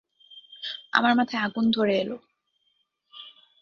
আমার মাথায় আগুন ধরে এল।